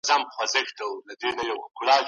د مطالعې نسل به ټولنه له بحران څخه وژغوري.